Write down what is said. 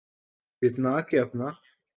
جتنا کہ اپنا۔